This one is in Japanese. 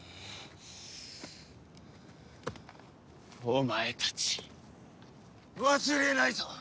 お前たち忘れないぞ